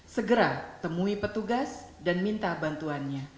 segera temui petugas dan minta bantuannya